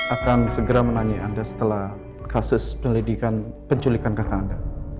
akan segera menanya anda setelah kasus penculikan kakak anda